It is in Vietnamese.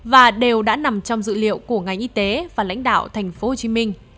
và đều đã nằm trong dự liệu của ngành y tế và lãnh đạo tp hcm